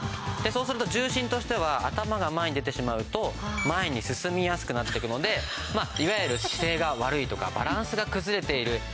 そうすると重心としては頭が前に出てしまうと前に進みやすくなっていくのでいわゆる姿勢が悪いとかバランスが崩れている。